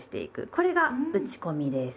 これが打ち込みです。